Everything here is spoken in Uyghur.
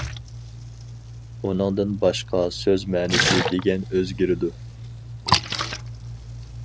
ئۇنىڭدىن باشقا سۆز مەنىسى دېگەن ئۆزگىرىدۇ.